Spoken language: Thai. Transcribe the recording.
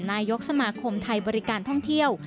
นายกสมาคมไทยบริการท่องเที่ยว